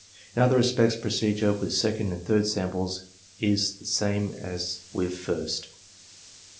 In other respects procedure with second and third samples is the same as with first.